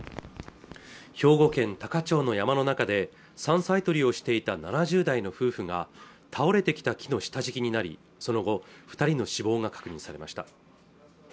兵庫県多可町の山の中で山菜採りをしていた７０代の夫婦が倒れてきた木の下敷きになりその後二人の死亡が確認されました